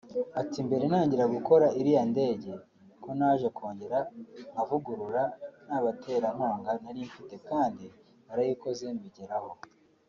Ati “Mbere ntangira gukora iriya ndege nto naje kongera nkavugurura nta baterankunga nari mfite kandi narayikoze mbigeraho